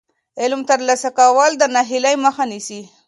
علم ترلاسه کول د ناهیلۍ مخه نیسي.